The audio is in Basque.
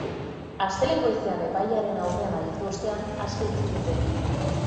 Astelehen goizean epailearen aurrean agertu ostean aske utzi dute.